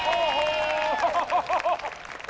โอ้โห